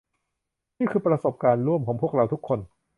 นี่คือประสบการณ์ร่วมของพวกเราทุกคน